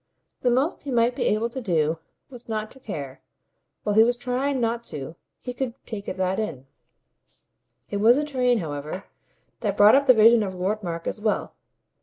The most he might be able to do was not to care; while he was trying not to he could take that in. It was a train, however, that brought up the vision of Lord Mark as well.